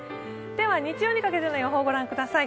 日曜にかけての予報を御覧ください。